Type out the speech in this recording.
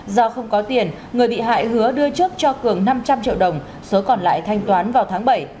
do không có tiền người bị hại hứa đưa trước cho cường năm trăm linh triệu đồng số còn lại thanh toán vào tháng bảy